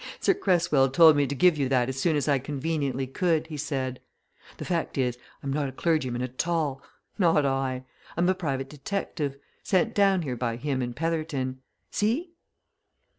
"Sir Cresswell told me to give you that as soon as I conveniently could," he said. "The fact is, I'm not a clergyman at all not I! I'm a private detective, sent down here by him and Petherton. See?"